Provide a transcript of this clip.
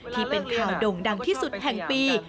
ที่เป็นข่าวโด่งดังที่สุดแห่งปี